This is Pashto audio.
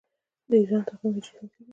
د ایران تقویم هجري شمسي دی.